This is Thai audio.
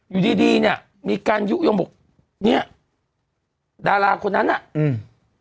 อยู่ดีดีเนี้ยมีการยุโยงบอกเนี้ยดาราคนนั้นอ่ะอืม